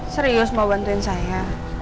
serius mau bantuin saya